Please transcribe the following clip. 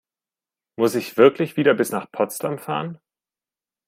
Muss ich wirklich wieder bis nach Potsdam fahren?